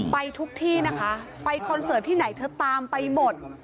ไปทุกที่นะคะไปคอนเสิร์ตที่ไหนเธอตามไปหมด